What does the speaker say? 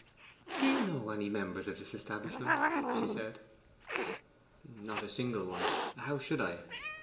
'Do you know any of the members of this establishment?' said she. 'Not a single one: how should I?